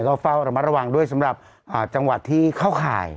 ก็เฝ้าระมัดระวังด้วยสำหรับจังหวัดที่เข้าข่าย